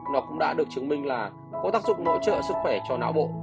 nó cũng đã được chứng minh là có tác dụng hỗ trợ sức khỏe cho não bộ